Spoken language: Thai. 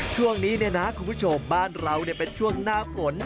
ช่วงนี้เนี่ยนะคุณผู้ชมบ้านเราเป็นช่วงหน้าฝน